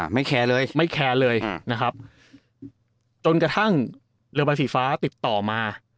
แคร์เลยไม่แคร์เลยนะครับจนกระทั่งเรือใบสีฟ้าติดต่อมา